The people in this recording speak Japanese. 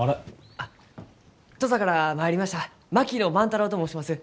あっ土佐から参りました槙野万太郎と申します。